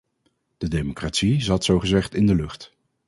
De democratie zat zogezegd in de lucht.